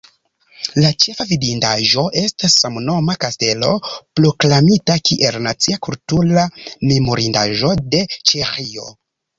La ĉefa vidindaĵo estas samnoma kastelo, proklamita kiel Nacia kultura memorindaĵo de Ĉeĥio.